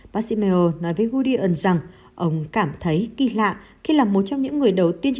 bác sĩ mayo nói với gooden rằng ông cảm thấy kỳ lạ khi là một trong những người đầu tiên